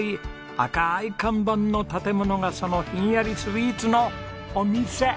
赤い看板の建物がそのひんやりスイーツのお店！